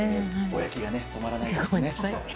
ぼやきが止まらないですね。